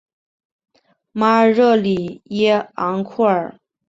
马尔热里耶昂库尔。